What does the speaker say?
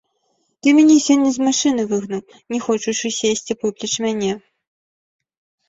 Ты мяне сёння з машыны выгнаў, не хочучы сесці поплеч мяне!